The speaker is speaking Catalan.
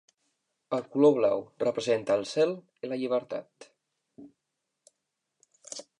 El color blau representa el cel i la llibertat.